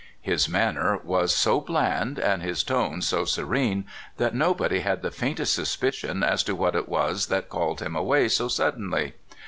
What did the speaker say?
His manner was so bland, and his tone so se rene, that nobody had the faintest suspicion as to what it was that called him away so suddenly.